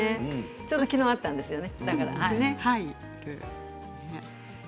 ちょうど、きのうあったんですよね。